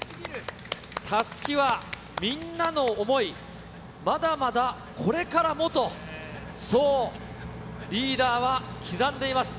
たすきはみんなの想い、まだまだこれからもと、そうリーダーは刻んでいます。